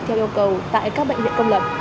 theo yêu cầu tại các bệnh viện công lập